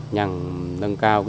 nhằm nâng cao